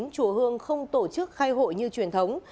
chùa hương không tổ chức khai hội như truyền thống